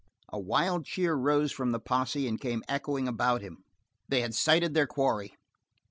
A wild cheer rose from the posse and came echoing about him; they had sighted their quarry.